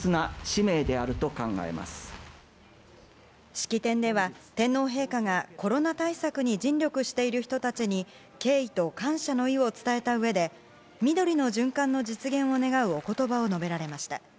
式典では、天皇陛下がコロナ対策に尽力している人たちに敬意と感謝の意を伝えたうえで緑の循環の実現を願うおことばを述べられました。